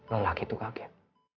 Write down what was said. lelaki itu kaget